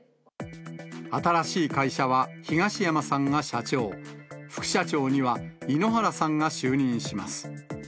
新しい会社は、東山さんが社長、副社長には井ノ原さんが就任します。